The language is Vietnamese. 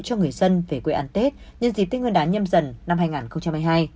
cho người dân về quê an tết nhân dịp tích nguyên đán nhâm dần năm hai nghìn một mươi hai